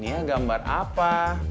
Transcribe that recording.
nia gambar apa